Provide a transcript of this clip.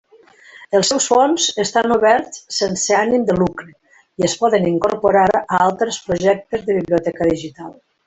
Els seus fons estan oberts, sense ànim de lucre, i es poden incorporar a altres projectes de biblioteca digital.